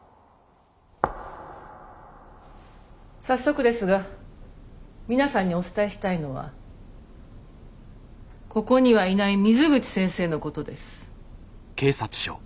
早速ですが皆さんにお伝えしたいのはここにはいない水口先生のことです。